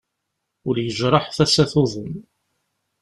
Ul yejreḥ, tasa tuḍen.